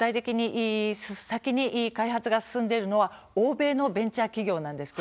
開発が進んでいるのは欧米のベンチャー企業です。